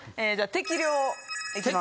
適量。